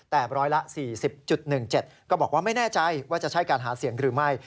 แต่ร้อยละ๔๐๑๗ก็บอกว่าไม่แน่ใจว่าจะใช่การหาเสียงหรือไม่